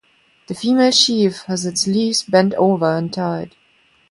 The female sheaf has its leaves bent over and tied.